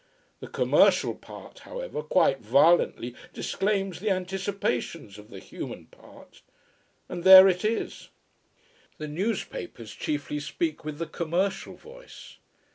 The commercial part, however, quite violently disclaims the anticipations of the human part. And there it is. The newspapers chiefly speak with the commercial voice.